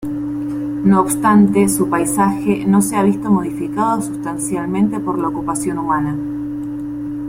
No obstante, su paisaje no se ha visto modificado sustancialmente por la ocupación humana.